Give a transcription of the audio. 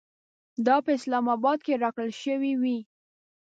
دا په اسلام اباد کې راکړل شوې وې.